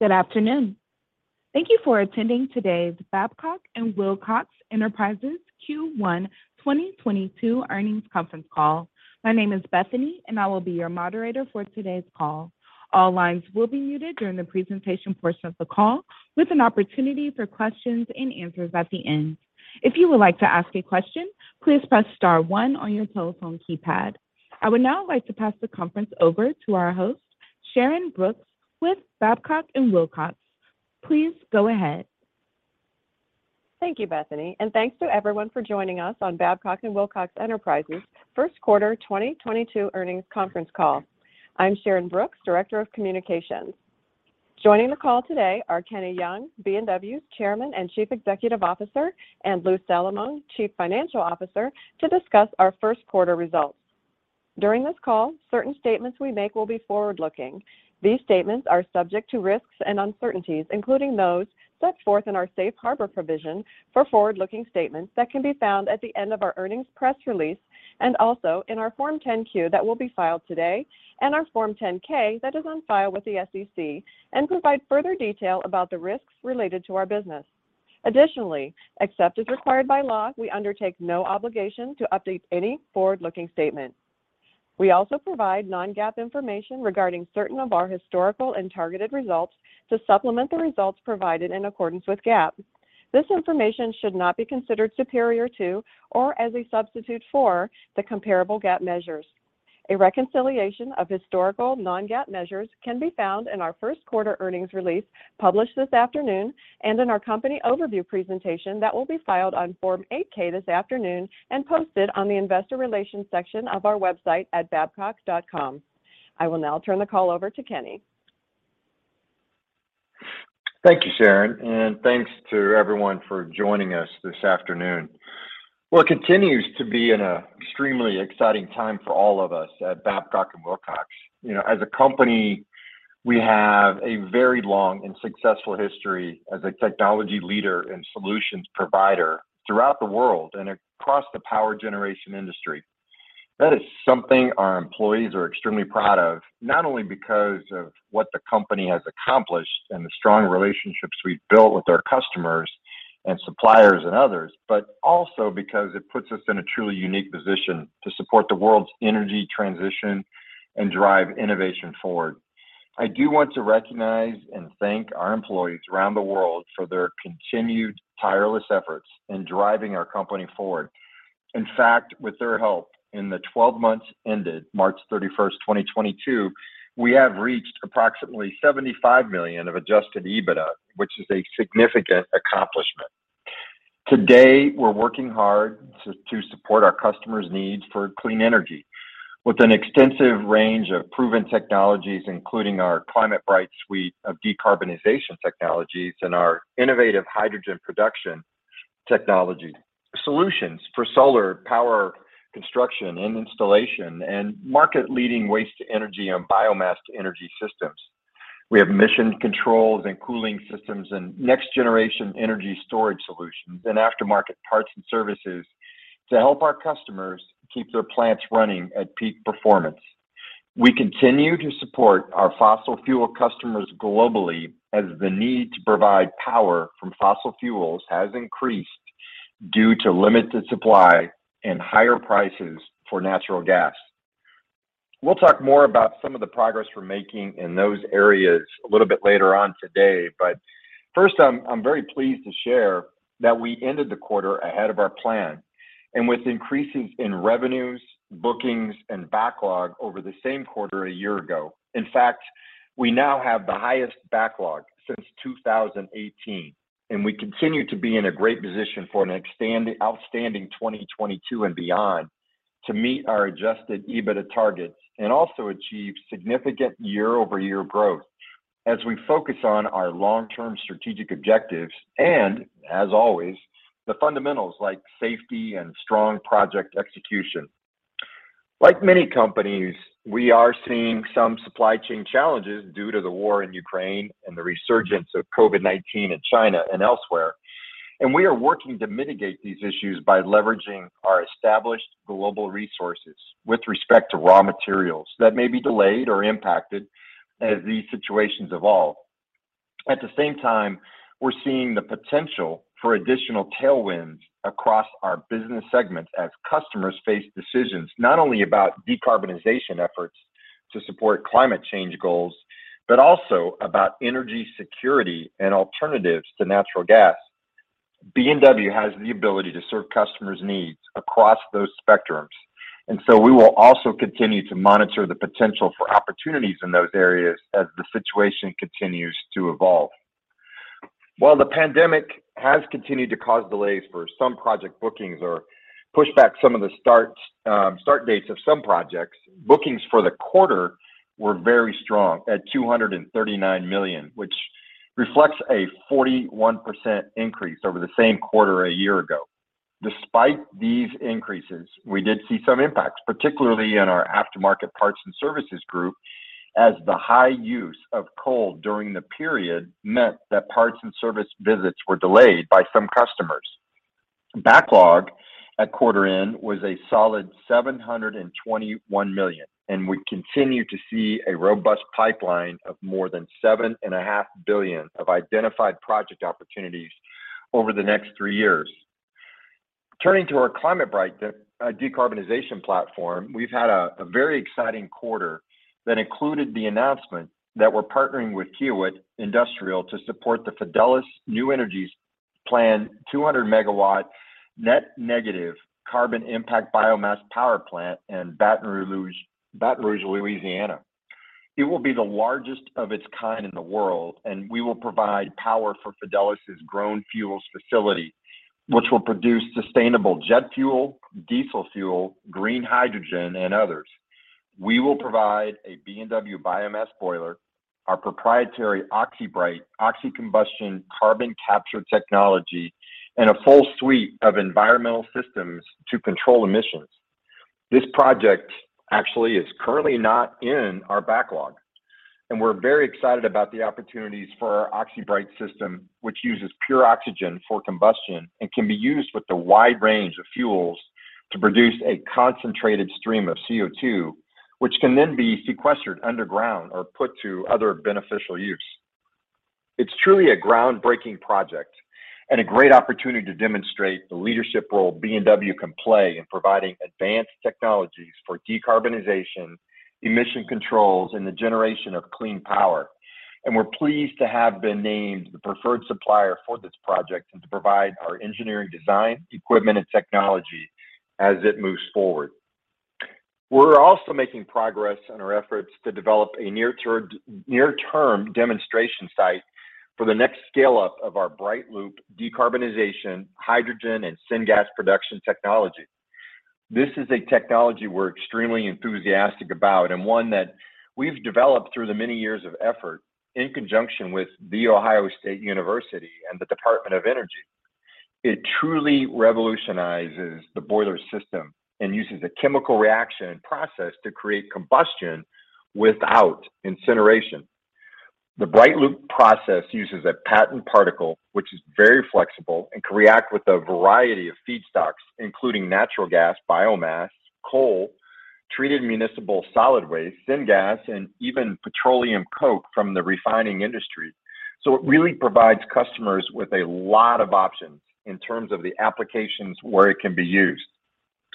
Good afternoon. Thank you for attending today's Babcock & Wilcox Enterprises Q1 2022 Earnings Conference Call. My name is Bethany, and I will be your moderator for today's call. All lines will be muted during the presentation portion of the call, with an opportunity for questions-and answers at the end. If you would like to ask a question, please press star one on your telephone keypad. I would now like to pass the conference over to our host, Sharyn Brooks with Babcock & Wilcox. Please go ahead. Thank you, Bethany, and thanks to everyone for joining us on Babcock & Wilcox Enterprises First Quarter 2022 Earnings Conference Call. I'm Sharyn Brooks, Director of Communications. Joining the call today are Kenny Young, B&W's Chairman and Chief Executive Officer, and Lou Salamone, Chief Financial Officer, to discuss our first quarter results. During this call, certain statements we make will be forward-looking. These statements are subject to risks and uncertainties, including those set forth in our safe harbor provision for forward-looking statements that can be found at the end of our earnings press release and also in our Form 10-Q that will be filed today and our Form 10-K that is on file with the SEC and provide further detail about the risks related to our business. Additionally, except as required by law, we undertake no obligation to update any forward-looking statement. We also provide non-GAAP information regarding certain of our historical and targeted results to supplement the results provided in accordance with GAAP. This information should not be considered superior to or as a substitute for the comparable GAAP measures. A reconciliation of historical non-GAAP measures can be found in our first quarter earnings release published this afternoon and in our company overview presentation that will be filed on Form 8-K this afternoon and posted on the investor relations section of our website at babcock.com. I will now turn the call over to Kenny. Thank you, Sharyn, and thanks to everyone for joining us this afternoon. What continues to be an extremely exciting time for all of us at Babcock & Wilcox. You know, as a company, we have a very long and successful history as a technology leader and solutions provider throughout the world and across the power generation industry. That is something our employees are extremely proud of, not only because of what the company has accomplished and the strong relationships we've built with our customers and suppliers and others, but also because it puts us in a truly unique position to support the world's energy transition and drive innovation forward. I do want to recognize and thank our employees around the world for their continued tireless efforts in driving our company forward. In fact, with their help, in the twelve months ended March 31st, 2022, we have reached approximately $75 million of adjusted EBITDA, which is a significant accomplishment. Today, we're working hard to support our customers' needs for clean energy with an extensive range of proven technologies, including our ClimateBright suite of decarbonization technologies and our innovative hydrogen production technology. Solutions for solar power construction and installation and market-leading waste-to-energy and biomass-to-energy systems. We have emission controls and cooling systems and next-generation energy storage solutions and aftermarket parts and services to help our customers keep their plants running at peak performance. We continue to support our fossil fuel customers globally as the need to provide power from fossil fuels has increased due to limited supply and higher prices for natural gas. We'll talk more about some of the progress we're making in those areas a little bit later on today. First, I'm very pleased to share that we ended the quarter ahead of our plan and with increases in revenues, bookings, and backlog over the same quarter a year ago. In fact, we now have the highest backlog since 2018, and we continue to be in a great position for an outstanding 2022 and beyond to meet our Adjusted EBITDA targets and also achieve significant year-over-year growth as we focus on our long-term strategic objectives and, as always, the fundamentals like safety and strong project execution. Like many companies, we are seeing some supply chain challenges due to the war in Ukraine and the resurgence of COVID-19 in China and elsewhere, and we are working to mitigate these issues by leveraging our established global resources with respect to raw materials that may be delayed or impacted as these situations evolve. At the same time, we're seeing the potential for additional tailwinds across our business segments as customers face decisions not only about decarbonization efforts to support climate change goals, but also about energy security and alternatives to natural gas. B&W has the ability to serve customers' needs across those spectrums, and so we will also continue to monitor the potential for opportunities in those areas as the situation continues to evolve. While the pandemic has continued to cause delays for some project bookings or pushed back some of the start dates of some projects, bookings for the quarter were very strong at $239 million, which reflects a 41% increase over the same quarter a year ago. Despite these increases, we did see some impacts, particularly in our aftermarket parts and services group, as the high use of coal during the period meant that parts and service visits were delayed by some customers. Backlog at quarter end was a solid $721 million, and we continue to see a robust pipeline of more than $7.5 billion of identified project opportunities over the next three years. Turning to our ClimateBright decarbonization platform, we've had a very exciting quarter that included the announcement that we're partnering with Kiewit Industrial to support the Fidelis New Energy planned 200-MW net negative carbon impact biomass power plant in Baton Rouge, Louisiana. It will be the largest of its kind in the world, and we will provide power for Fidelis' Grön Fuels facility, which will produce sustainable jet fuel, diesel fuel, green hydrogen, and others. We will provide a B&W biomass boiler, our proprietary OxyBright oxy-combustion carbon capture technology, and a full suite of environmental systems to control emissions. This project actually is currently not in our backlog, and we're very excited about the opportunities for our OxyBright system, which uses pure oxygen for combustion and can be used with a wide range of fuels to produce a concentrated stream of CO2, which can then be sequestered underground or put to other beneficial use. It's truly a groundbreaking project and a great opportunity to demonstrate the leadership role B&W can play in providing advanced technologies for decarbonization, emission controls, and the generation of clean power. We're pleased to have been named the preferred supplier for this project and to provide our engineering design, equipment, and technology as it moves forward. We're also making progress on our efforts to develop a near-term demonstration site for the next scale-up of our BrightLoop decarbonization, hydrogen, and syngas production technology. This is a technology we're extremely enthusiastic about and one that we've developed through the many years of effort in conjunction with the Ohio State University and the Department of Energy. It truly revolutionizes the boiler system and uses a chemical reaction process to create combustion without incineration. The BrightLoop process uses a patented particle, which is very flexible and can react with a variety of feedstocks, including natural gas, biomass, coal, treated municipal solid waste, syngas, and even petroleum coke from the refining industry. It really provides customers with a lot of options in terms of the applications where it can be used.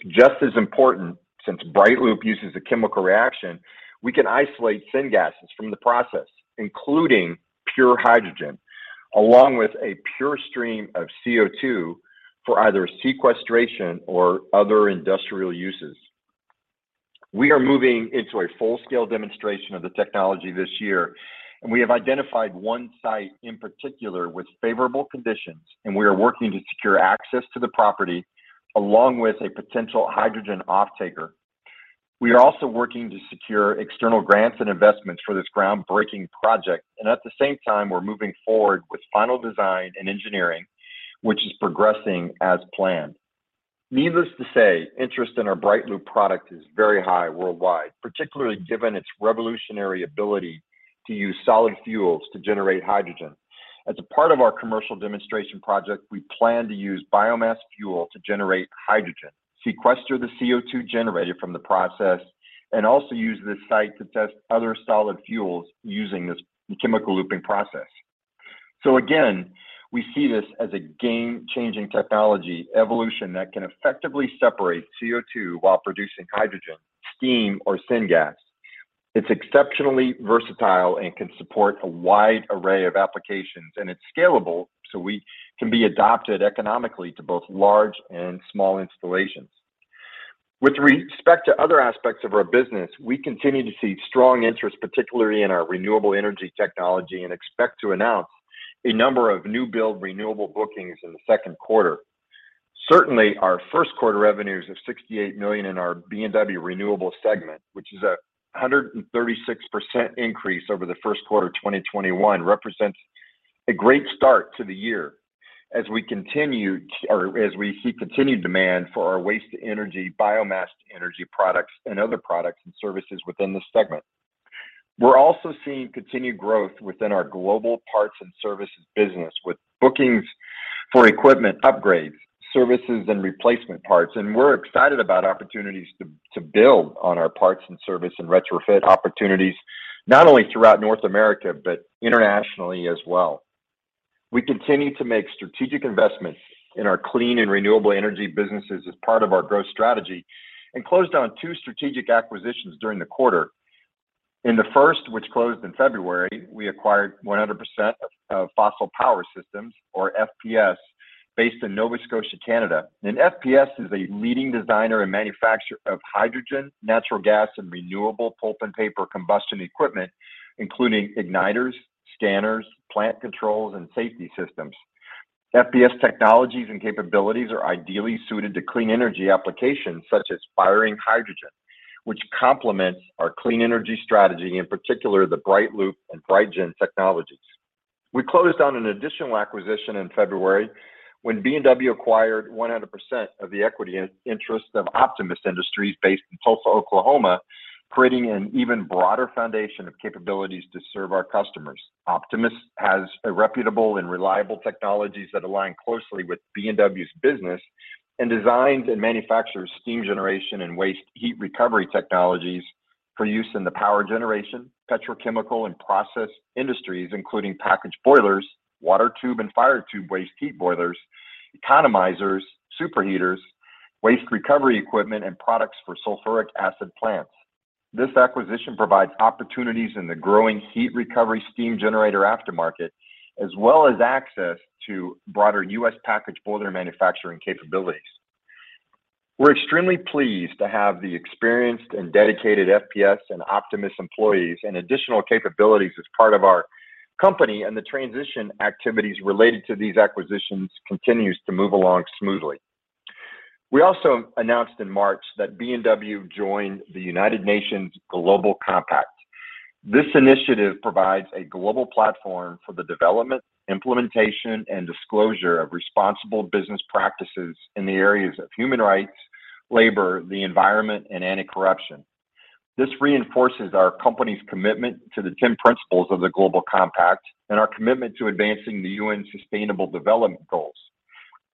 Just as important, since BrightLoop uses a chemical reaction, we can isolate syngas from the process, including pure hydrogen, along with a pure stream of CO2 for either sequestration or other industrial uses. We are moving into a full-scale demonstration of the technology this year, and we have identified one site in particular with favorable conditions, and we are working to secure access to the property along with a potential hydrogen offtaker. We are also working to secure external grants and investments for this groundbreaking project, and at the same time, we're moving forward with final design and engineering, which is progressing as planned. Needless to say, interest in our BrightLoop product is very high worldwide, particularly given its revolutionary ability to use solid fuels to generate hydrogen. As a part of our commercial demonstration project, we plan to use biomass fuel to generate hydrogen, sequester the CO2 generated from the process, and also use this site to test other solid fuels using this chemical looping process. We see this as a game-changing technology evolution that can effectively separate CO2 while producing hydrogen, steam, or syngas. It's exceptionally versatile and can support a wide array of applications, and it's scalable so we can be adopted economically to both large and small installations. With respect to other aspects of our business, we continue to see strong interest, particularly in our renewable energy technology, and expect to announce a number of new build renewable bookings in the second quarter. Certainly, our first quarter revenues of $68 million in our B&W Renewable segment, which is a 136% increase over the first quarter of 2021, represents a great start to the year as we see continued demand for our waste-to-energy, biomass-to-energy products, and other products and services within the segment. We're also seeing continued growth within our global parts and services business with bookings for equipment upgrades, services, and replacement parts, and we're excited about opportunities to build on our parts and service and retrofit opportunities, not only throughout North America, but internationally as well. We continue to make strategic investments in our clean and renewable energy businesses as part of our growth strategy and closed on two strategic acquisitions during the quarter. In the first, which closed in February, we acquired 100% of Fossil Power Systems, or FPS, based in Nova Scotia, Canada. FPS is a leading designer and manufacturer of hydrogen, natural gas, and renewable pulp and paper combustion equipment, including igniters, scanners, plant controls, and safety systems. FPS technologies and capabilities are ideally suited to clean energy applications such as firing hydrogen, which complements our clean energy strategy, in particular the BrightLoop and BrightGen technologies. We closed on an additional acquisition in February when B&W acquired 100% of the equity interest of Optimus Industries based in Tulsa, Oklahoma. Creating an even broader foundation of capabilities to serve our customers. Optimus has a reputable and reliable technologies that align closely with B&W's business and designs and manufactures steam generation and waste heat recovery technologies for use in the power generation, petrochemical and process industries, including packaged boilers, water-tube and fire-tube waste heat boilers, economizers, superheaters, waste heat recovery equipment and products for sulfuric acid plants. This acquisition provides opportunities in the growing heat recovery steam generator aftermarket, as well as access to broader U.S. packaged boiler manufacturing capabilities. We're extremely pleased to have the experienced and dedicated FPS and Optimus employees and additional capabilities as part of our company, and the transition activities related to these acquisitions continues to move along smoothly. We also announced in March that B&W joined the United Nations Global Compact. This initiative provides a global platform for the development, implementation, and disclosure of responsible business practices in the areas of human rights, labor, the environment, and anti-corruption. This reinforces our company's commitment to the 10 principles of the Global Compact and our commitment to advancing the UN Sustainable Development Goals.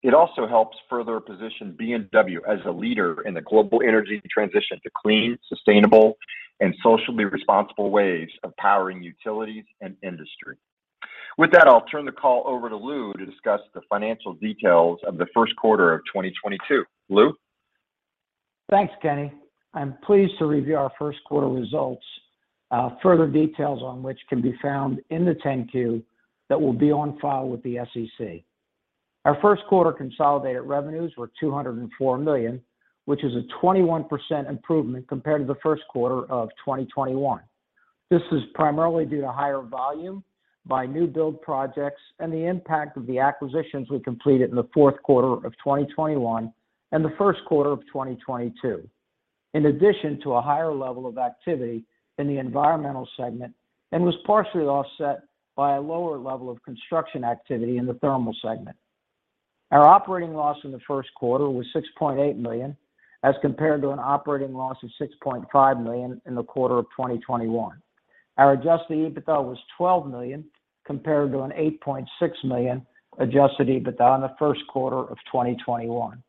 It also helps further position B&W as a leader in the global energy transition to clean, sustainable and socially responsible ways of powering utilities and industry. With that, I'll turn the call over to Lou to discuss the financial details of the first quarter of 2022. Lou? Thanks, Kenny. I'm pleased to review our first quarter results, further details on which can be found in the 10-Q that will be on file with the SEC. Our first quarter consolidated revenues were $204 million, which is a 21% improvement compared to the first quarter of 2021. This is primarily due to higher volume in new build projects and the impact of the acquisitions we completed in the fourth quarter of 2021 and the first quarter of 2022. In addition to a higher level of activity in the environmental segment, and was partially offset by a lower level of construction activity in the thermal segment. Our operating loss in the first quarter was $6.8 million, as compared to an operating loss of $6.5 million in the quarter of 2021. Our Adjusted EBITDA was $12 million, compared to an $8.6 million Adjusted EBITDA in the first quarter of 2021.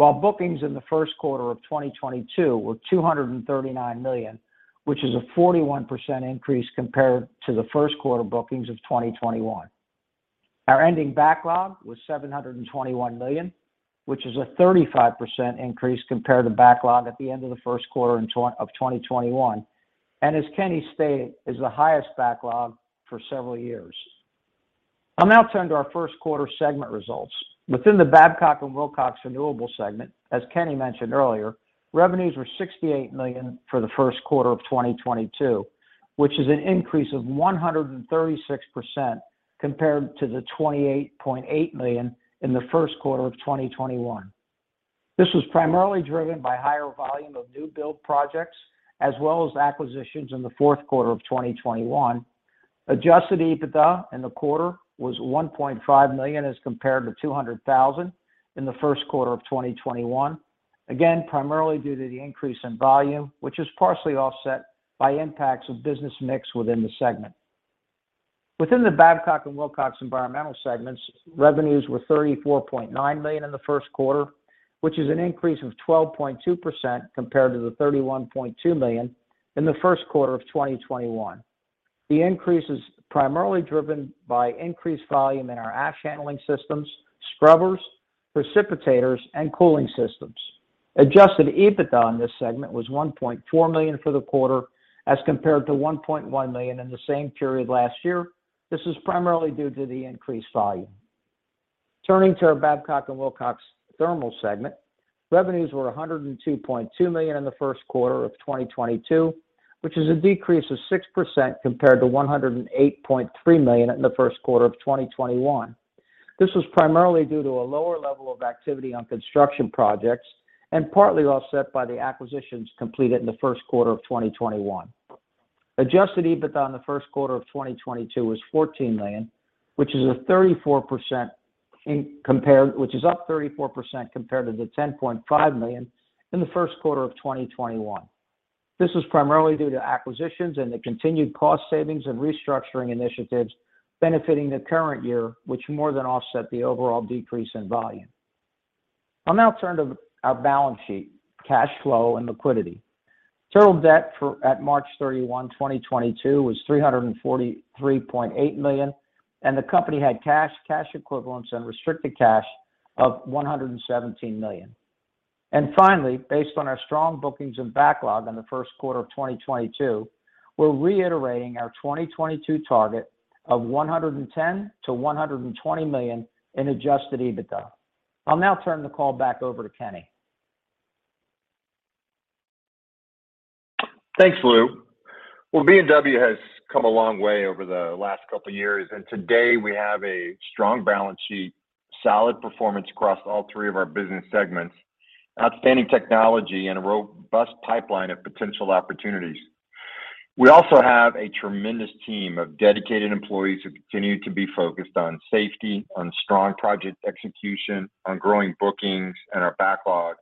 While bookings in the first quarter of 2022 were $239 million, which is a 41% increase compared to the first quarter bookings of 2021. Our ending backlog was $721 million, which is a 35% increase compared to backlog at the end of the first quarter of 2021. As Kenny stated, is the highest backlog for several years. I'll now turn to our first quarter segment results. Within the Babcock & Wilcox Renewable segment, as Kenny mentioned earlier, revenues were $68 million for the first quarter of 2022, which is an increase of 136% compared to the $28.8 million in the first quarter of 2021. This was primarily driven by higher volume of new build projects as well as acquisitions in the fourth quarter of 2021. Adjusted EBITDA in the quarter was $1.5 million as compared to $200,000 in the first quarter of 2021. Again, primarily due to the increase in volume, which is partially offset by impacts of business mix within the segment. Within the Babcock & Wilcox Environmental segments, revenues were $34.9 million in the first quarter, which is an increase of 12.2% compared to the $31.2 million in the first quarter of 2021. The increase is primarily driven by increased volume in our ash handling systems, scrubbers, precipitators, and cooling systems. Adjusted EBITDA in this segment was $1.4 million for the quarter as compared to $1.1 million in the same period last year. This is primarily due to the increased volume. Turning to our Babcock & Wilcox Thermal segment, revenues were $102.2 million in the first quarter of 2022, which is a decrease of 6% compared to $108.3 million in the first quarter of 2021. This was primarily due to a lower level of activity on construction projects and partly offset by the acquisitions completed in the first quarter of 2021. Adjusted EBITDA in the first quarter of 2022 was $14 million, which is up 34% compared to the $10.5 million in the first quarter of 2021. This was primarily due to acquisitions and the continued cost savings and restructuring initiatives benefiting the current year, which more than offset the overall decrease in volume. I'll now turn to our balance sheet, cash flow, and liquidity. Total debt as of March 31, 2022 was $343.8 million, and the company had cash equivalents, and restricted cash of $117 million. Finally, based on our strong bookings and backlog in the first quarter of 2022, we're reiterating our 2022 target of $110 million-$120 million in Adjusted EBITDA. I'll now turn the call back over to Kenny. Thanks, Lou. Well, B&W has come a long way over the last couple years, and today we have a strong balance sheet, solid performance across all three of our business segments, outstanding technology, and a robust pipeline of potential opportunities. We also have a tremendous team of dedicated employees who continue to be focused on safety, on strong project execution, on growing bookings and our backlog,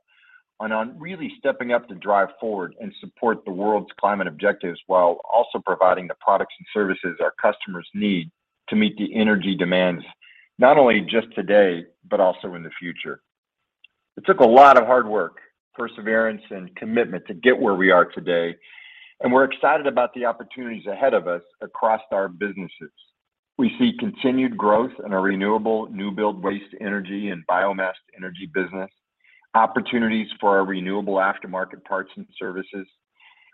and on really stepping up to drive forward and support the world's climate objectives while also providing the products and services our customers need to meet the energy demands, not only just today, but also in the future. It took a lot of hard work, perseverance, and commitment to get where we are today, and we're excited about the opportunities ahead of us across our businesses. We see continued growth in our renewable new build waste energy and biomass energy business, opportunities for our renewable aftermarket parts and services.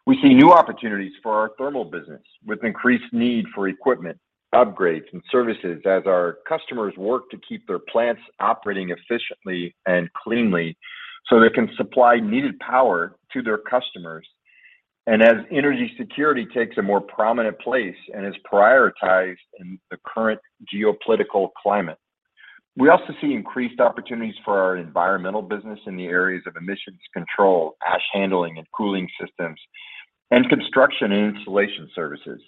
We see new opportunities for our thermal business with increased need for equipment, upgrades, and services as our customers work to keep their plants operating efficiently and cleanly so they can supply needed power to their customers and as energy security takes a more prominent place and is prioritized in the current geopolitical climate. We also see increased opportunities for our environmental business in the areas of emissions control, ash handling, and cooling systems and construction and installation services.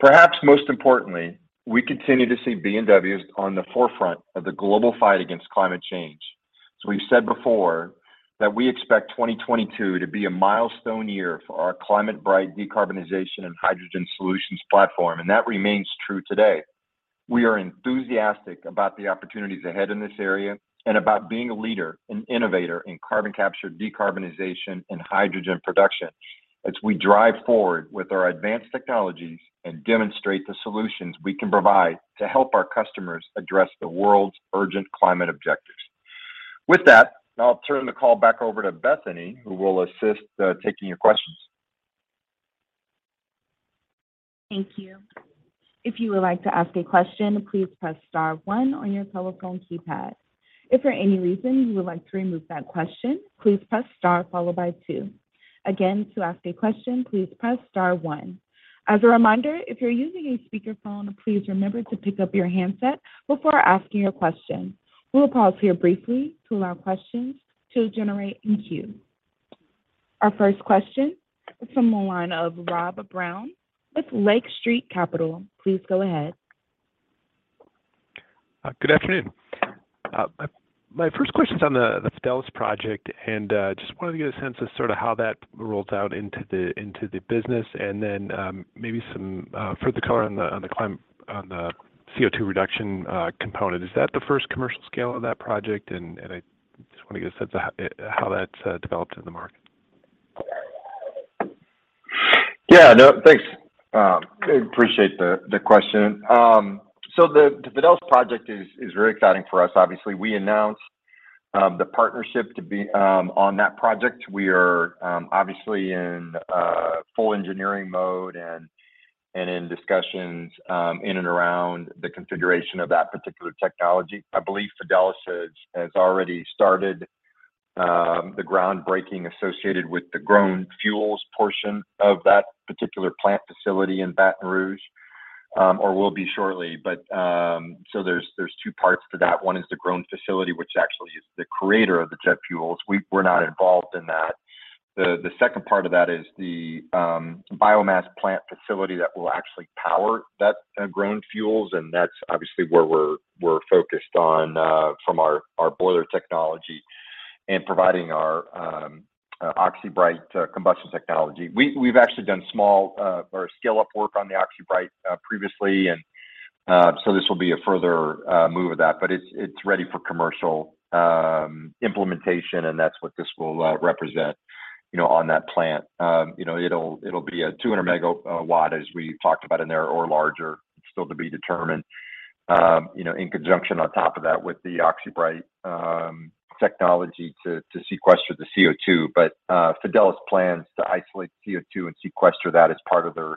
Perhaps most importantly, we continue to see B&W on the forefront of the global fight against climate change. As we've said before, that we expect 2022 to be a milestone year for our ClimateBright decarbonization and hydrogen solutions platform, and that remains true today. We are enthusiastic about the opportunities ahead in this area and about being a leader and innovator in carbon capture decarbonization and hydrogen production as we drive forward with our advanced technologies and demonstrate the solutions we can provide to help our customers address the world's urgent climate objectives. With that, I'll turn the call back over to Bethany, who will assist, taking your questions. Thank you. If you would like to ask a question, please press star one on your telephone keypad. If for any reason you would like to remove that question, please press star followed by two. Again, to ask a question, please press star one. As a reminder, if you're using a speakerphone, please remember to pick up your handset before asking your question. We'll pause here briefly to allow questions to generate in queue. Our first question is from the line of Rob Brown with Lake Street Capital Markets. Please go ahead. Good afternoon. My first question is on the Fidelis project, and just wanted to get a sense of sort of how that rolls out into the business and then, maybe some further color on the CO₂ reduction component. Is that the first commercial scale of that project? I just want to get a sense of how that's developed in the market. Yeah, no. Thanks. Appreciate the question. The Fidelis project is very exciting for us. Obviously, we announced the partnership to be on that project. We are obviously in full engineering mode and in discussions in and around the configuration of that particular technology. I believe Fidelis has already started the groundbreaking associated with the Grön Fuels portion of that particular plant facility in Baton Rouge or will be shortly. There's two parts to that. One is the Grön facility, which actually is the creator of the jet fuels. We're not involved in that. The second part of that is the biomass plant facility that will actually power that Grön Fuels, and that's obviously where we're focused on from our boiler technology and providing our OxyBright combustion technology. We've actually done small or scale up work on the OxyBright previously. This will be a further move of that, but it's ready for commercial implementation, and that's what this will represent, you know, on that plant. You know, it'll be a 200 MW as we talked about in there or larger, still to be determined, you know, in conjunction on top of that with the OxyBright technology to sequester the CO2. Fidelis plans to isolate CO₂ and sequester that as part of their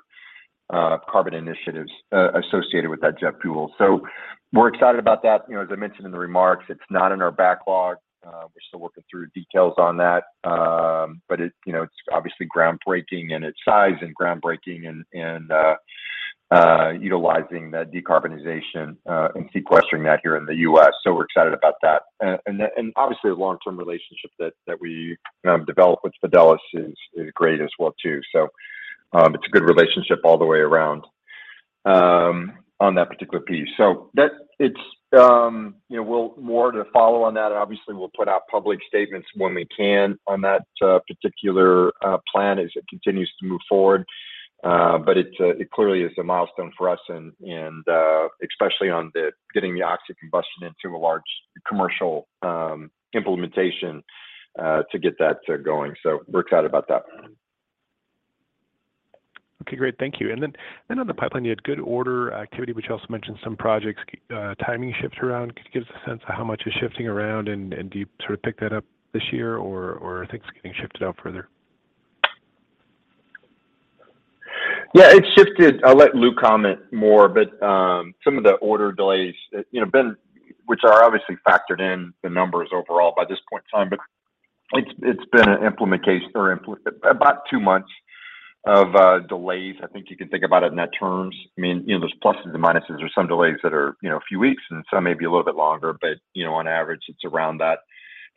carbon initiatives associated with that jet fuel. We're excited about that. You know, as I mentioned in the remarks, it's not in our backlog. We're still working through details on that. It's, you know, it's obviously groundbreaking in its size and groundbreaking in utilizing the decarbonization and sequestering that here in the U.S. We're excited about that. Obviously the long-term relationship that we developed with Fidelis is great as well too. It's a good relationship all the way around on that particular piece. More to follow on that. Obviously, we'll put out public statements when we can on that particular plan as it continues to move forward. It clearly is a milestone for us and especially on the getting the oxy-combustion into a large commercial implementation to get that going. We're excited about that. Okay, great. Thank you. On the pipeline, you had good order activity, which you also mentioned some projects, timing shifts around. Could you give us a sense of how much is shifting around and do you sort of pick that up this year or are things getting shifted out further? Yeah, it shifted. I'll let Lou comment more, but some of the order delays, you know, which are obviously factored in the numbers overall by this point in time. It's been an implementation about 2 months of delays. I think you can think about it in that terms. I mean, you know, there's pluses and minuses or some delays that are, you know, a few weeks and some may be a little bit longer. You know, on average, it's around that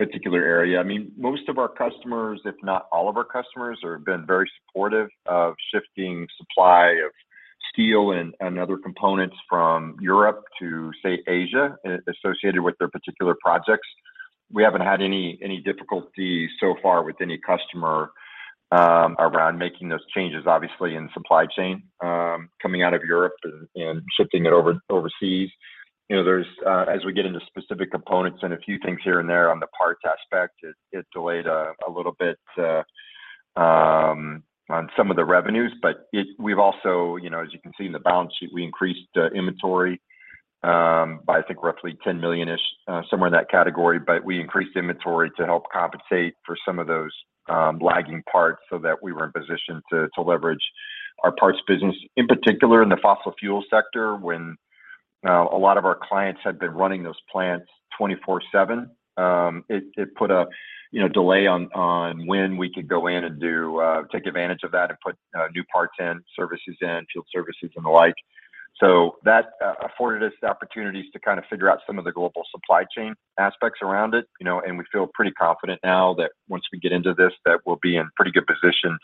particular area. I mean, most of our customers, if not all of our customers, have been very supportive of shifting supply of steel and other components from Europe to, say, Asia associated with their particular projects. We haven't had any difficulty so far with any customer around making those changes, obviously in the supply chain coming out of Europe and shifting it overseas. You know, as we get into specific components and a few things here and there on the parts aspect, it delayed a little bit on some of the revenues, but we've also, you know, as you can see in the balance sheet, we increased inventory by, I think, roughly $10 million-ish, somewhere in that category. We increased inventory to help compensate for some of those lagging parts so that we were in position to leverage our parts business. In particular in the fossil fuel sector, when a lot of our clients had been running those plants 24/7, it put a you know delay on when we could go in and do take advantage of that and put new parts in, services in, field services and the like. That afforded us the opportunities to kind of figure out some of the global supply chain aspects around it, you know, and we feel pretty confident now that once we get into this, that we'll be in pretty good position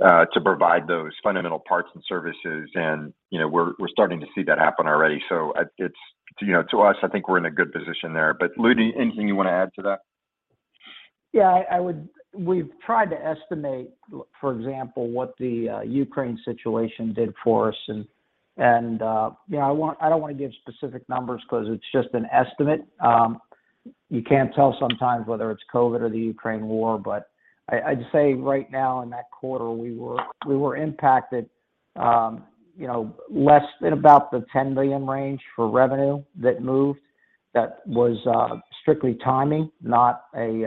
to provide those fundamental parts and services and, you know, we're starting to see that happen already. To you know to us, I think we're in a good position there. Lou, anything you want to add to that? Yeah. We've tried to estimate, for example, what the Ukraine situation did for us and, you know, I don't want to give specific numbers because it's just an estimate. You can't tell sometimes whether it's COVID or the Ukraine war, but I'd say right now in that quarter, we were impacted, you know, less than about the $10 million range for revenue that moved. That was strictly timing, not a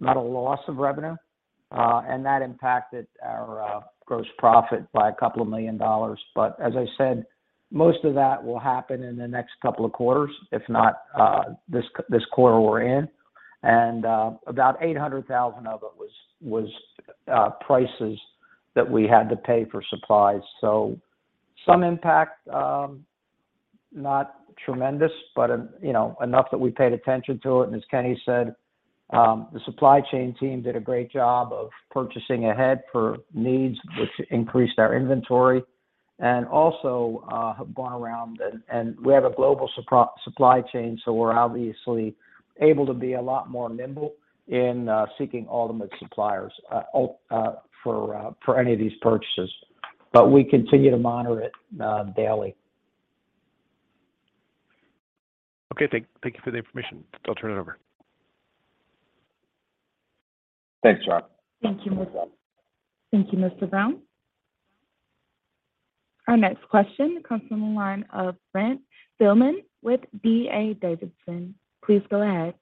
loss of revenue, and that impacted our gross profit by $2 million. But as I said, most of that will happen in the next couple of quarters, if not this quarter we're in. About $800,000 of it was prices that we had to pay for supplies. Some impact, not tremendous, but, you know, enough that we paid attention to it. As Kenny said, the supply chain team did a great job of purchasing ahead for needs which increased our inventory and also have gone around and we have a global supply chain, so we're obviously able to be a lot more nimble in seeking ultimate suppliers for any of these purchases. We continue to monitor it daily. Okay. Thank you for the information. I'll turn it over. Thanks, Rob. Thank you, Mr. Brown. You're welcome. Thank you, Mr. Brown. Our next question comes from the line of Brent Thielman with D.A. Davidson. Please go ahead.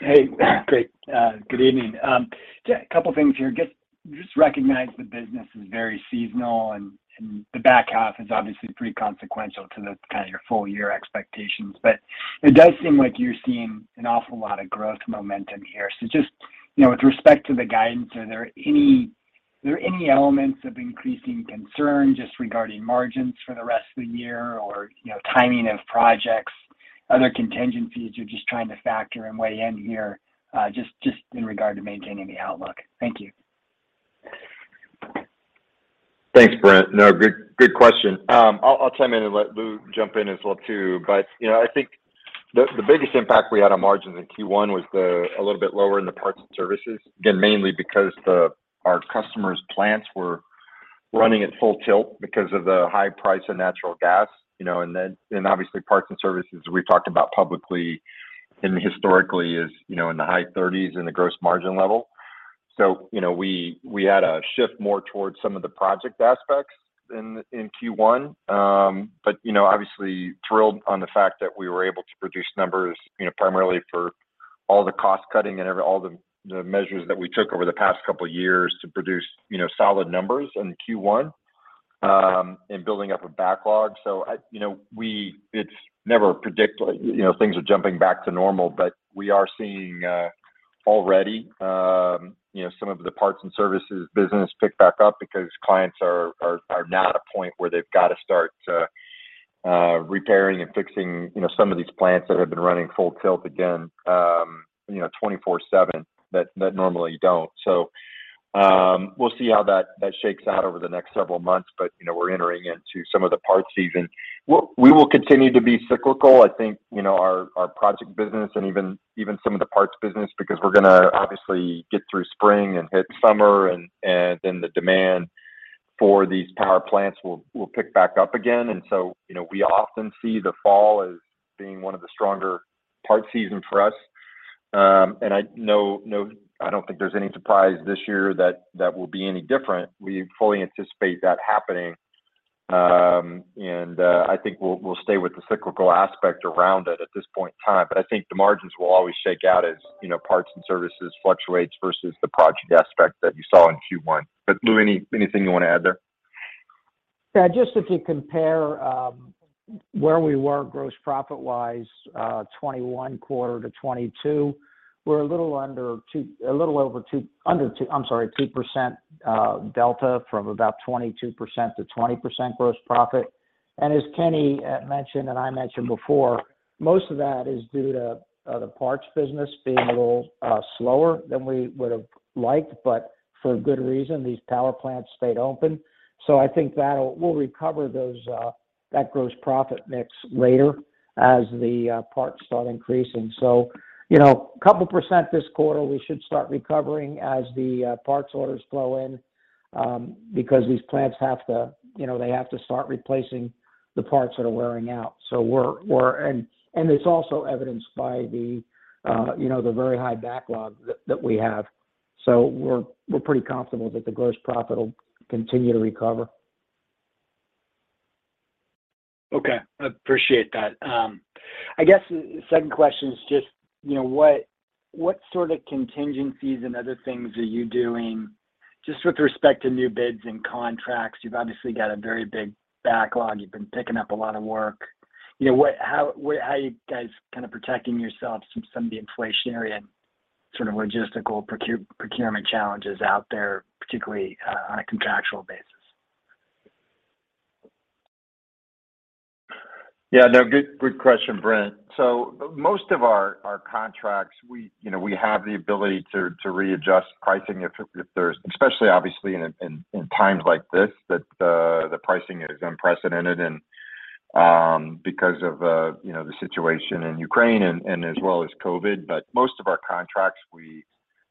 Hey. Great. Good evening. A couple things here. Just recognize the business is very seasonal and the back half is obviously pretty consequential to the kind of your full year expectations. It does seem like you're seeing an awful lot of growth momentum here. Just, you know, with respect to the guidance, are there any elements of increasing concern just regarding margins for the rest of the year or, you know, timing of projects, other contingencies you're just trying to factor and weigh in here, just in regard to maintaining the outlook? Thank you. Thanks, Brent. No, good question. I'll chime in and let Lou jump in as well too. You know, I think the biggest impact we had on margins in Q1 was a little bit lower in the parts and services, again, mainly because our customers' plants were running at full tilt because of the high price of natural gas. You know, and obviously, parts and services we've talked about publicly and historically is, you know, in the high 30s% gross margin level. You know, we had a shift more towards some of the project aspects in Q1. You know, obviously thrilled on the fact that we were able to produce numbers, you know, primarily for all the cost cutting and all the measures that we took over the past couple of years to produce, you know, solid numbers in Q1 in building up a backlog. You know, things are jumping back to normal, but we are seeing already, you know, some of the parts and services business pick back up because clients are now at a point where they've got to start repairing and fixing, you know, some of these plants that have been running full tilt again, you know, 24/7, that normally don't. We'll see how that shakes out over the next several months. You know, we're entering into some of the parts season. We will continue to be cyclical. I think, you know, our project business and even some of the parts business, because we're gonna obviously get through spring and hit summer and then the demand for these power plants will pick back up again. You know, we often see the fall as being one of the stronger parts season for us. I know I don't think there's any surprise this year that that will be any different. We fully anticipate that happening. I think we'll stay with the cyclical aspect around it at this point in time. I think the margins will always shake out as, you know, parts and services fluctuates versus the project aspect that you saw in Q1. Lou, anything you want to add there? Yeah. Just if you compare where we were gross profit-wise, 2021 quarter to 2022, we're a little under 2% delta from about 22% to 20% gross profit. As Kenny mentioned and I mentioned before, most of that is due to the parts business being a little slower than we would've liked, but for good reason. These power plants stayed open. I think we'll recover those, that gross profit mix later as the parts start increasing. You know, couple percent this quarter, we should start recovering as the parts orders flow in, because these plants have to, you know, they have to start replacing the parts that are wearing out. It's also evidenced by the you know the very high backlog that we have. We're pretty confident that the gross profit'll continue to recover. Okay. I appreciate that. I guess the second question is just, you know, what sort of contingencies and other things are you doing just with respect to new bids and contracts? You've obviously got a very big backlog. You've been picking up a lot of work. You know, how are you guys kind of protecting yourselves from some of the inflationary and sort of logistical procurement challenges out there, particularly on a contractual basis? Yeah, no. Good question, Brent. Most of our contracts, we have the ability to readjust pricing if there's especially obviously in times like this that the pricing is unprecedented and because of the situation in Ukraine and as well as COVID. Most of our contracts, we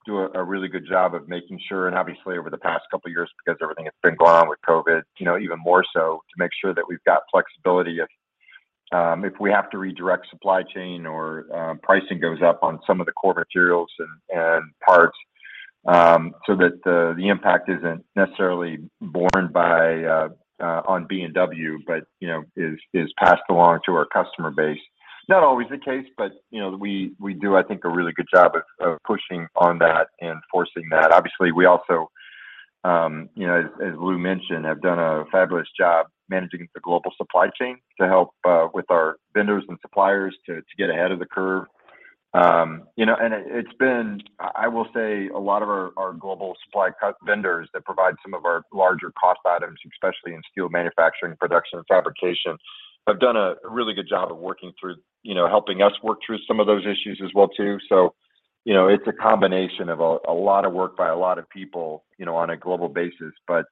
do a really good job of making sure and obviously over the past couple years because everything that's been going on with COVID, you know, even more so to make sure that we've got flexibility if we have to redirect supply chain or pricing goes up on some of the core materials and parts so that the impact isn't necessarily borne by B&W but you know is passed along to our customer base. Not always the case, you know, we do I think a really good job of pushing on that and forcing that. Obviously we also, you know, as Lou mentioned, have done a fabulous job managing the global supply chain to help with our vendors and suppliers to get ahead of the curve. You know, it's been, I will say a lot of our global supply chain vendors that provide some of our larger cost items, especially in steel manufacturing, production, and fabrication, have done a really good job of working through, you know, helping us work through some of those issues as well too. You know, it's a combination of a lot of work by a lot of people, you know, on a global basis, but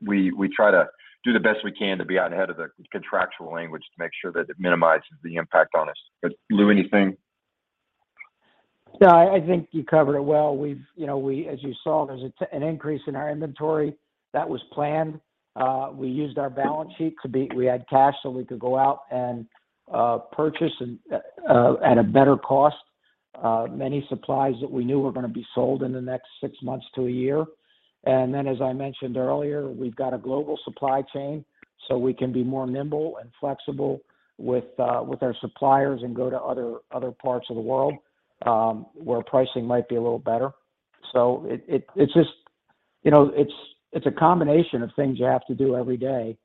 we try to do the best we can to be out ahead of the contractual language to make sure that it minimizes the impact on us. Lou, anything? No, I think you covered it well. We've. As you saw, there's an increase in our inventory. That was planned. We used our balance sheet. We had cash so we could go out and purchase and at a better cost many supplies that we knew were gonna be sold in the next six months to a year. Then as I mentioned earlier, we've got a global supply chain, so we can be more nimble and flexible with our suppliers and go to other parts of the world where pricing might be a little better. It's just it's a combination of things you have to do every day.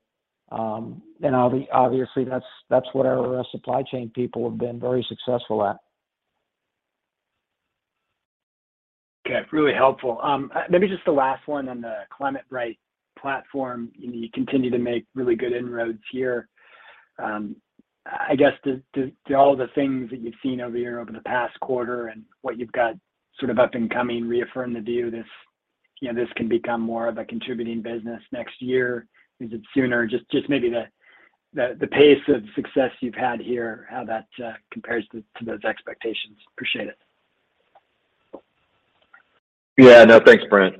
Obviously, that's what our supply chain people have been very successful at. Okay. Really helpful. Maybe just the last one on the ClimateBright platform. You continue to make really good inroads here. I guess do all the things that you've seen over the past quarter and what you've got sort of up and coming reaffirm the view this, you know, this can become more of a contributing business next year? Is it sooner? Just maybe the pace of success you've had here, how that compares to those expectations. Appreciate it. Yeah. No, thanks, Brent.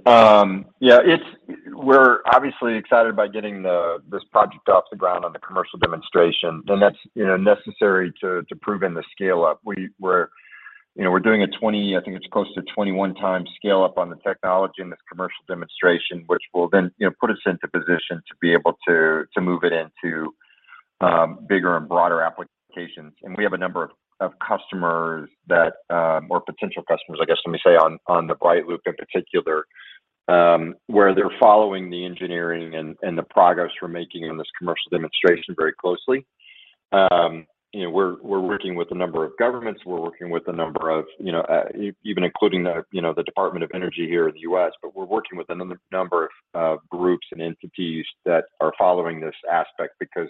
We're obviously excited about getting this project off the ground on the commercial demonstration, and that's, you know, necessary to prove in the scale up. We're, you know, we're doing a 20, I think it's close to 21x scale up on the technology in this commercial demonstration, which will then, you know, put us into position to be able to move it into bigger and broader applications. We have a number of customers or potential customers, I guess let me say, on the BrightLoop in particular, where they're following the engineering and the progress we're making on this commercial demonstration very closely. You know, we're working with a number of governments. We're working with a number of, you know, even including the, you know, the Department of Energy here in the U.S., but we're working with a number of groups and entities that are following this aspect because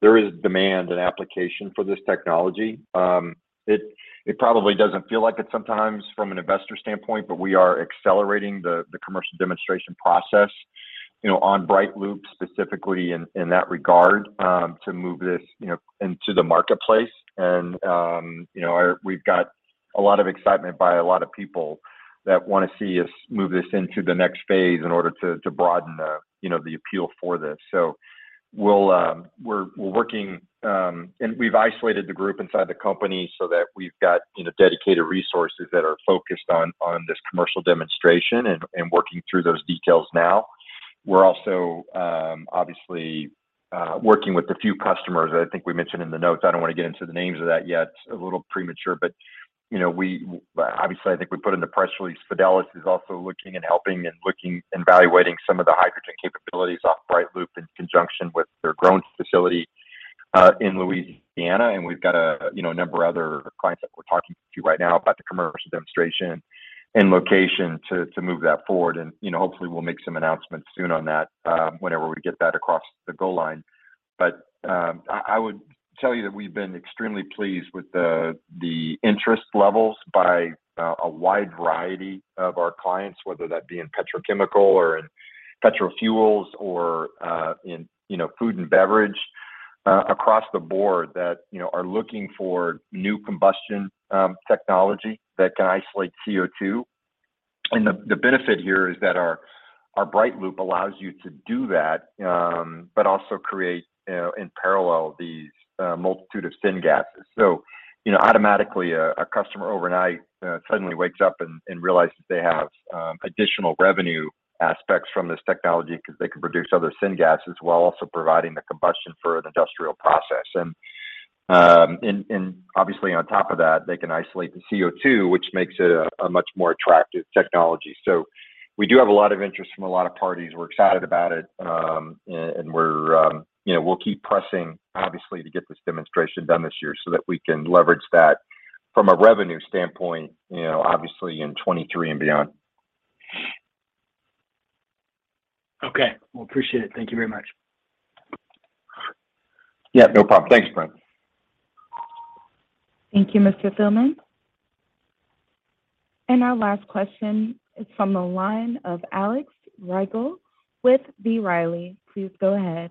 there is demand and application for this technology. It probably doesn't feel like it sometimes from an investor standpoint, but we are accelerating the commercial demonstration process, you know, on BrightLoop specifically in that regard, to move this, you know, into the marketplace. You know, we've got a lot of excitement by a lot of people that wanna see us move this into the next phase in order to broaden the, you know, the appeal for this. We're working, and we've isolated the group inside the company so that we've got, you know, dedicated resources that are focused on this commercial demonstration and working through those details now. We're also obviously working with a few customers that I think we mentioned in the notes. I don't want to get into the names of that yet. It's a little premature but, you know, obviously, I think we put in the press release, Fidelis is also looking and helping and looking and evaluating some of the hydrogen capabilities of BrightLoop in conjunction with their Grön Fuels facility in Louisiana, and we've got a, you know, number of other clients that we're talking to right now about the commercial demonstration and location to move that forward. You know, hopefully we'll make some announcements soon on that, whenever we get that across the goal line. I would tell you that we've been extremely pleased with the interest levels by a wide variety of our clients, whether that be in petrochemical or in petrol fuels or in, you know, food and beverage, across the board that, you know, are looking for new combustion technology that can isolate CO2. The benefit here is that our BrightLoop allows you to do that, but also create, you know, in parallel these multitude of syngases. You know, automatically a customer overnight suddenly wakes up and realizes they have additional revenue aspects from this technology because they can produce other syngas as well, also providing the combustion for an industrial process. Obviously on top of that they can isolate the CO2, which makes it a much more attractive technology. We do have a lot of interest from a lot of parties. We're excited about it. We're, you know, we'll keep pressing obviously to get this demonstration done this year so that we can leverage that from a revenue standpoint, you know, obviously in 2023 and beyond. Okay. Well, appreciate it. Thank you very much. Yeah, no problem. Thanks, Brent. Thank you, Mr. Thielman. Our last question is from the line of Alex Rygiel with B. Riley. Please go ahead.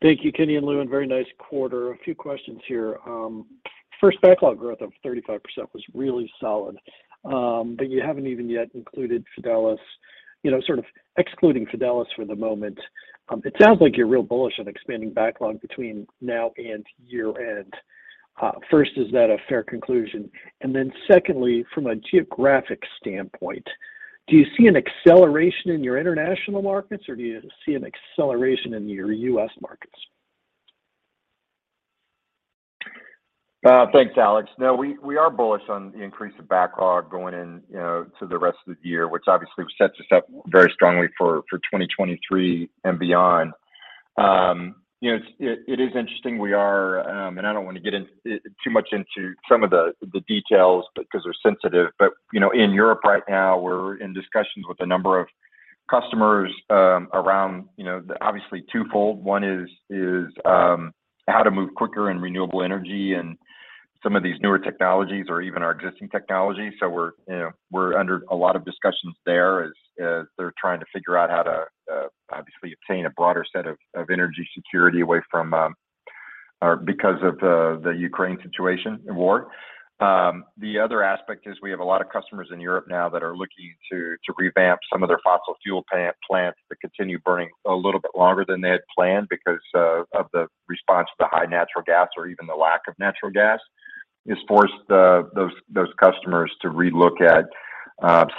Thank you, Kenny and Lou, and very nice quarter. A few questions here. First, backlog growth of 35% was really solid, but you haven't even yet included Fidelis. You know, sort of excluding Fidelis for the moment, it sounds like you're real bullish on expanding backlog between now and year-end. First, is that a fair conclusion? Then secondly, from a geographic standpoint, do you see an acceleration in your international markets or do you see an acceleration in your U.S. markets? Thanks, Alex. No, we are bullish on the increase of backlog going in, you know, to the rest of the year, which obviously sets us up very strongly for 2023 and beyond. You know, it is interesting we are. I don't want to get in too much into some of the details because they're sensitive. You know, in Europe right now we're in discussions with a number of customers, you know, the obviously twofold. One is how to move quicker in renewable energy and some of these newer technologies or even our existing technologies. We're under a lot of discussions there as they're trying to figure out how to obviously obtain a broader set of energy security away from or because of the Ukraine situation and war. The other aspect is we have a lot of customers in Europe now that are looking to revamp some of their fossil fuel power plants that continue burning a little bit longer than they had planned because of the response to the high natural gas or even the lack of natural gas. It's forced those customers to relook at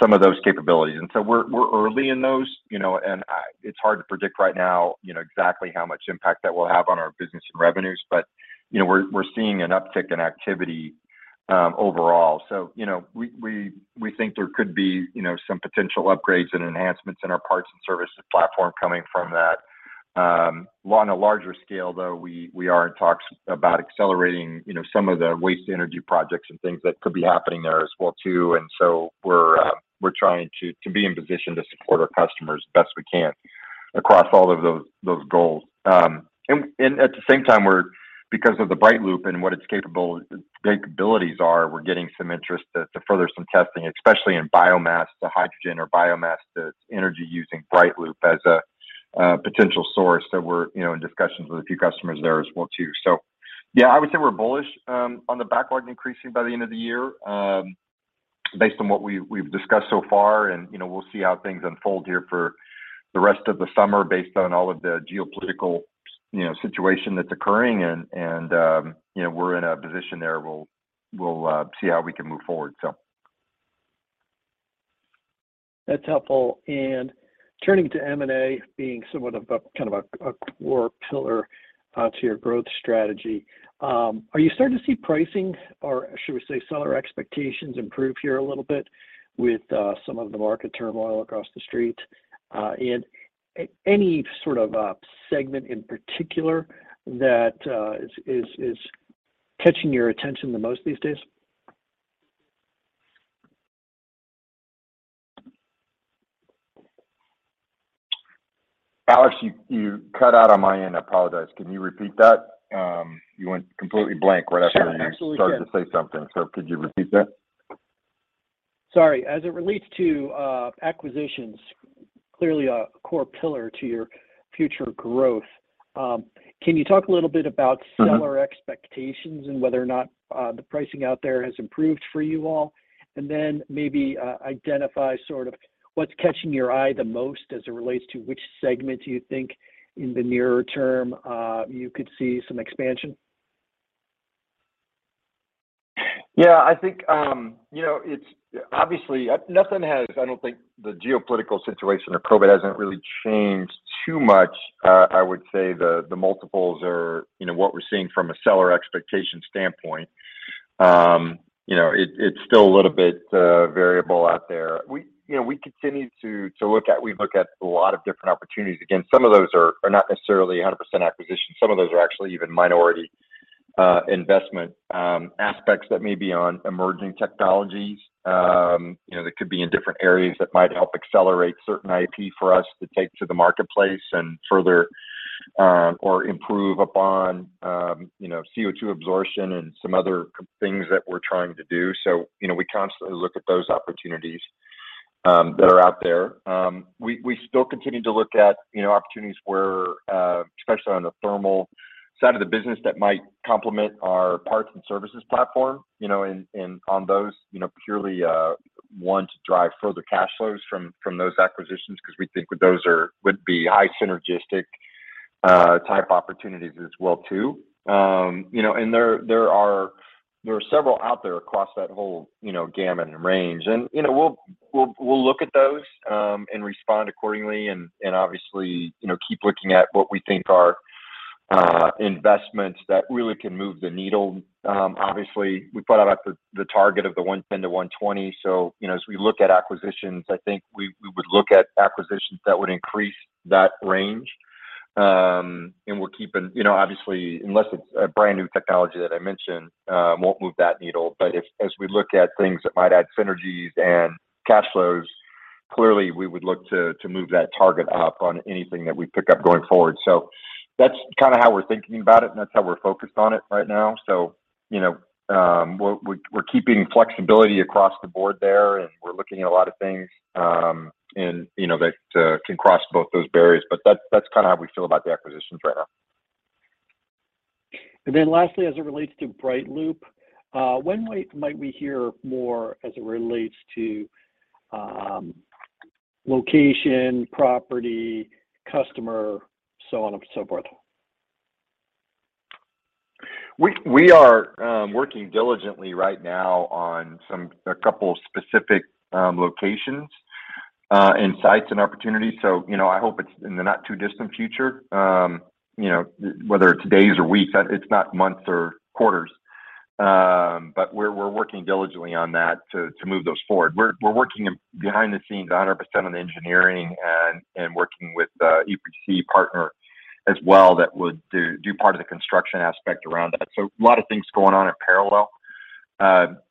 some of those capabilities. We're early in those, you know, and it's hard to predict right now, you know, exactly how much impact that will have on our business and revenues. You know, we're seeing an uptick in activity overall. You know, we think there could be some potential upgrades and enhancements in our parts and services platform coming from that. On a larger scale though, we are in talks about accelerating some of the waste energy projects and things that could be happening there as well too. We're trying to be in position to support our customers best we can across all of those goals. And at the same time we're because of the BrightLoop and what its capabilities are, we're getting some interest to further some testing, especially in biomass to hydrogen or biomass to energy using BrightLoop as a potential source. We're in discussions with a few customers there as well too. Yeah, I would say we're bullish on the backlog increasing by the end of the year based on what we've discussed so far. You know, we'll see how things unfold here for the rest of the summer based on all of the geopolitical situation that's occurring. You know, we're in a position there. We'll see how we can move forward. That's helpful. Turning to M&A being somewhat of a kind of a core pillar to your growth strategy, are you starting to see pricing or should we say seller expectations improve here a little bit with some of the market turmoil across the street? Any sort of segment in particular that is catching your attention the most these days? Alex, you cut out on my end. I apologize. Can you repeat that? You went completely blank right after you- Sure. Absolutely. Started to say something. Could you repeat that? Sorry. As it relates to acquisitions, clearly a core pillar to your future growth, can you talk a little bit about? Seller expectations and whether or not, the pricing out there has improved for you all? Maybe, identify sort of what's catching your eye the most as it relates to which segment you think in the nearer term, you could see some expansion. Yeah. I think, you know, it's obviously. I don't think the geopolitical situation or COVID hasn't really changed too much. I would say the multiples are, you know, what we're seeing from a seller expectation standpoint. You know, it's still a little bit variable out there. We, you know, we continue to look at a lot of different opportunities. Again, some of those are not necessarily 100% acquisition. Some of those are actually even minority investment aspects that may be on emerging technologies. You know, they could be in different areas that might help accelerate certain IP for us to take to the marketplace and further or improve upon, you know, CO2 absorption and some other things that we're trying to do. We constantly look at those opportunities that are out there. We still continue to look at opportunities where especially on the thermal side of the business that might complement our parts and services platform, you know, and on those, you know, purely want to drive further cash flows from those acquisitions 'cause we think those would be high synergistic type opportunities as well too. You know, there are several out there across that whole you know, gamut and range. You know, we'll look at those and respond accordingly and obviously you know, keep looking at what we think are investments that really can move the needle. Obviously we put out the target of the $110-$120, so you know, as we look at acquisitions, I think we would look at acquisitions that would increase that range. We're keeping. You know, obviously, unless it's a brand new technology that I mentioned, it won't move that needle. If as we look at things that might add synergies and cash flows, clearly we would look to move that target up on anything that we pick up going forward. That's kinda how we're thinking about it, and that's how we're focused on it right now. You know, we're keeping flexibility across the board there, and we're looking at a lot of things, and you know that can cross both those barriers. That's kinda how we feel about the acquisitions right now. Lastly, as it relates to BrightLoop, when might we hear more as it relates to location, property, customer, so on and so forth? We are working diligently right now on a couple specific locations and sites and opportunities. You know, I hope it's in the not too distant future. You know, whether it's days or weeks, it's not months or quarters. We're working diligently on that to move those forward. We're working behind the scenes 100% on the engineering and working with the EPC partner as well that would do part of the construction aspect around that. A lot of things going on in parallel.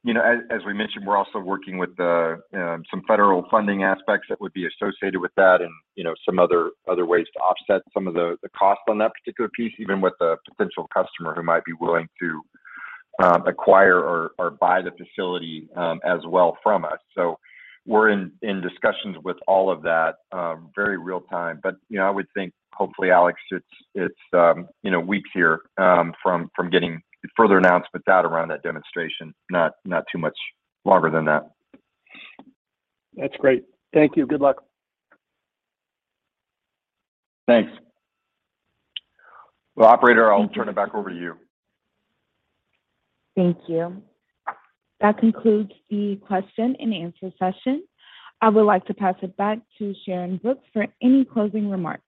You know, as we mentioned, we're also working with some federal funding aspects that would be associated with that and, you know, some other ways to offset some of the costs on that particular piece, even with a potential customer who might be willing to acquire or buy the facility as well from us. We're in discussions with all of that very real time. You know, I would think hopefully, Alex, it's you know, weeks here from getting further announcement out around that demonstration, not too much longer than that. That's great. Thank you. Good luck. Thanks. Well, operator, I'll turn it back over to you. Thank you. That concludes the question and answer session. I would like to pass it back to Sharyn Brooks for any closing remarks.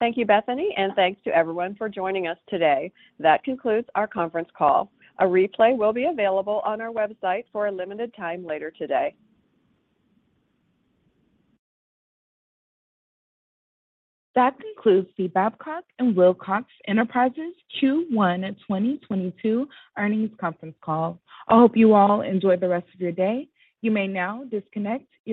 Thank you, Bethany, and thanks to everyone for joining us today. That concludes our conference call. A replay will be available on our website for a limited time later today. That concludes the Babcock & Wilcox Enterprises Q1 2022 Earnings Conference Call. I hope you all enjoy the rest of your day. You may now disconnect your